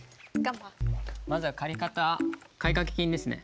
まずは借方買掛金ですね。